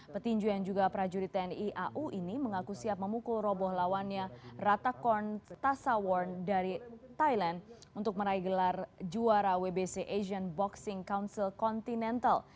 petinju yang juga prajurit tni au ini mengaku siap memukul roboh lawannya ratacorn tasaworn dari thailand untuk meraih gelar juara wbc asian boxing council continental